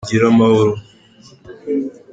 Nimugire amahoro.